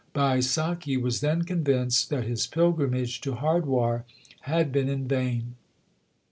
Baisakhi was then convinced that his pilgrimage to Hardwar had been in vain.